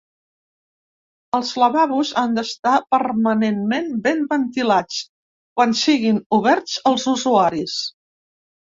Els lavabos han d’estar permanentment ben ventilats quan siguin oberts als usuaris.